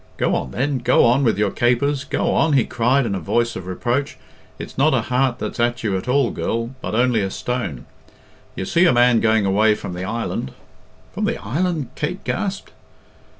"Go on, then; go on with your capers! Go on!" he cried, in a voice of reproach. "It's not a heart that's at you at all, girl, but only a stone. You see a man going away from the island " "From the island?" Kate gasped.